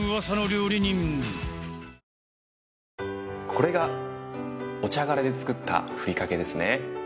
これがお茶殻で作ったふりかけですね。